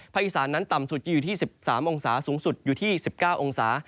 อีสานนั้นต่ำสุดจะอยู่ที่๑๓องศาสูงสุดอยู่ที่๑๙องศา